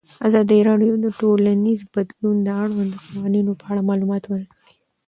ازادي راډیو د ټولنیز بدلون د اړونده قوانینو په اړه معلومات ورکړي.